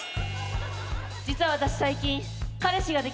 実は私最近彼氏ができまして。